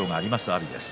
阿炎です。